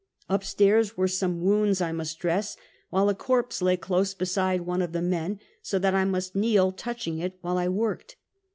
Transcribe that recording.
" Up stairs were some wounds I must dress, while a corpse lay close beside one of the men, so that I must kneel touching it, while I worked.